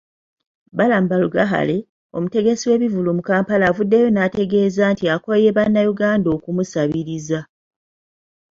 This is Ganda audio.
Balam Barugahare, omutegesi w'ebivvulu mu Kampala avuddeyo n'ategeeza nti akooye Bannayuganda okumusabiriza.